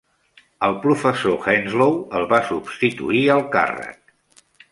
El professor Henslow el va substituir al càrrec.